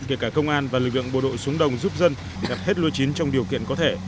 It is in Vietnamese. kể cả công an và lực lượng bộ đội xuống đồng giúp dân gặp hết lúa chín trong điều kiện có thể